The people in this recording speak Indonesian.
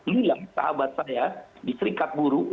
lilang sahabat saya di serikat buruh